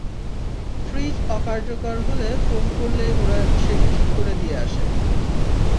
Fridge অকার্যকর হলে phone করলেই ওরা সেটি ঠিক করে দিয়ে আসে।